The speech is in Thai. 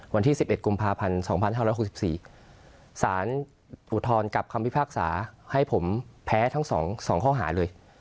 วันที่๑๑กุมภาพันธ์๒๕๖๔สารอุทธรณ์กับคำพิพากษาให้ผมแพ้ทั้ง๒ข้อหาเลย